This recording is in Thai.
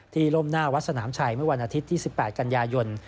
ล่มหน้าวัดสนามชัยเมื่อวันอาทิตย์ที่๑๘กันยายน